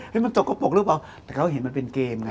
อธุรกิจจากยุคพรรคยังมีอุบัติเหตุอย่างอื่นไหมคะ